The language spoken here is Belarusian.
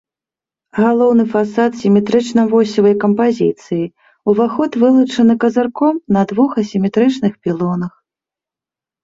Галоўны фасад сіметрычна-восевай кампазіцыі, уваход вылучаны казырком на двух асіметрычных пілонах.